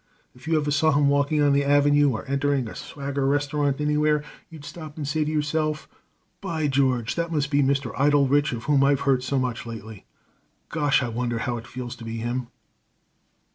If you ever saw him walking on the avenue, or entering a swagger restaurant anywhere, you'd stop and say to yourself, 'By George! That must be Mr. Idle Rich, of whom I have heard so much lately. Gosh! I wonder how it feels to be him!'"